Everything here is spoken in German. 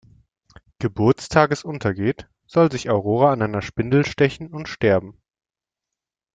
Geburtstages untergeht, soll sich Aurora an einer Spindel stechen und sterben.